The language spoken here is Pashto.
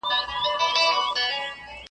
چي د شپې یې رنګارنګ خواړه خوړله .